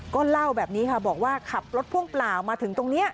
ก็เล่าแบบนี้ค่ะบอกว่าขับรถพ่วงเปล่ามาถึงตรงนี้